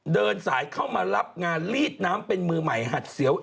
เดินสายเข้ามารับงานลีดน้ำเป็นมือใหม่หัดเสียว